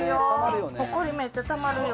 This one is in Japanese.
ほこりめっちゃたまるよ。